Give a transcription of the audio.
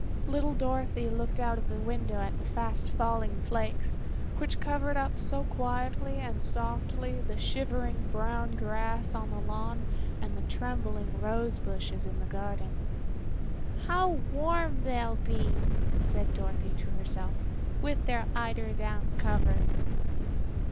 Little Dorothy looked out of the window at the fast falling flakes, which covered up so quietly and softly the shivering brown grass on the lawn and the trembling rose bushes in the garden. "How warm they'll be," said Dorothy to herself, "with their eiderdown covers."